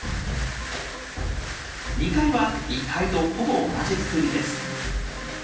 ２階は１階とほぼ同じ造りです。